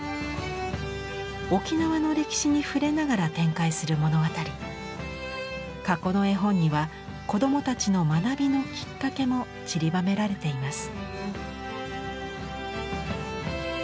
沖縄の歴史に触れながら展開する物語かこの絵本には子どもたちの学びのきっかけもちりばめられています。